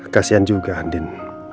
kesian juga andin